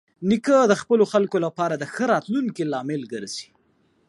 نیکه د خپلو خلکو لپاره د ښه راتلونکي لامل ګرځي.